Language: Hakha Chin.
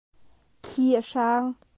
Thli a hrang.